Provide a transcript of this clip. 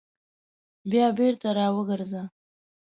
بیا بېرته راوګرځه !